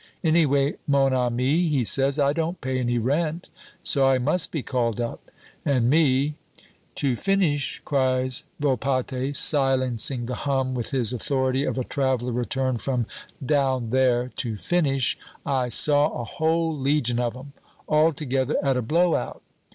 Anyway, mon ami,' he says, 'I don't pay any rent, so I must be called up.' 'And me '" "To finish," cries Volpatte, silencing the hum with his authority of a traveler returned from "down there," "to finish, I saw a whole legion of 'em all together at a blow out.